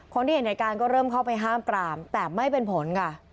คนที่เห็นเหตุการณ์ก็เริ่มเข้าไปห้ามปรามแต่ไม่เป็นผลค่ะ